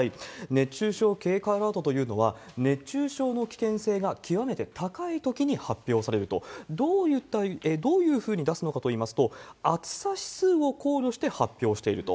熱中症警戒アラートというのは、熱中症の危険性が極めて高いときに発表されると、どういうふうに出すのかといいますと、暑さ指数を考慮して発表していると。